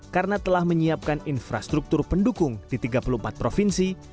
karena telah menyiapkan infrastruktur pendukung di tiga puluh empat provinsi